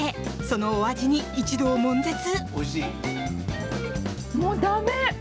そのお味に一同悶絶！